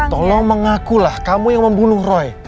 tolong mengakulah kamu yang membunuh roy